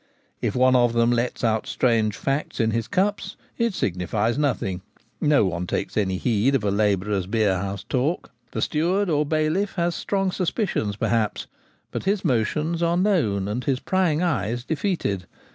If one of them lets out strange facts in his cups, it signifies nothing : no one takes any heed of a labourer's beerhouse talk. The steward or bailiff has strong suspicions, perhaps, but his 212 The Gamekeeper at Home. motions are known, and his prying eyes defeated.